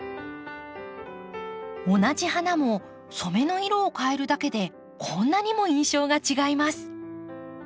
同じ花も染めの色を変えるだけでこんなにも印象が違います。